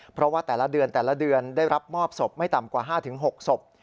เพราะว่าแต่ละเดือนได้รับมอบศพไม่ต่ำกว่า๕๖ศพ